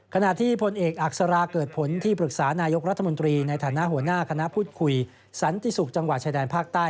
ขณะที่พลเอกอักษราเกิดผลที่ปรึกษานายกรัฐมนตรีในฐานะหัวหน้าคณะพูดคุยสันติศุกร์จังหวัดชายแดนภาคใต้